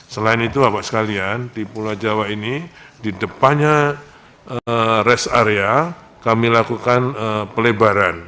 selain itu bapak sekalian di pulau jawa ini di depannya rest area kami lakukan pelebaran